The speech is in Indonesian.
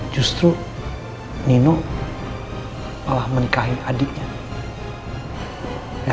justru nino malah menikahi adiknya